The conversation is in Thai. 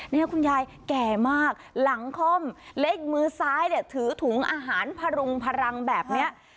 นี่คุณยายแก่มากหลังค่อมเล็กมือซ้ายเนี่ยถือถุงอาหารพรุงพลังแบบนี้